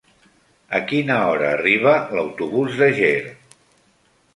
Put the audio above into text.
A quina hora arriba l'autobús de Ger?